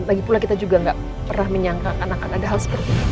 lagipula kita juga gak pernah menyangkakan ada hal seperti itu